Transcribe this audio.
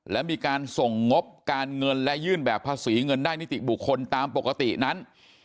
และมีการส่งงบการเงินและยื่นแบบภาษีเงินได้นิติบุคคลตามปกตินั้น